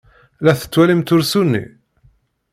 La tettwalimt ursu-nni?